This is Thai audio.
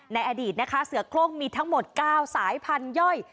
ในอดีตนะคะเสือโครงมีทั้งหมด๙สายพันธย่อย